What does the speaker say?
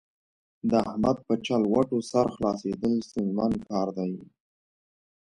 د احمد په چلوټو سر خلاصېدل ستونزمن کار دی.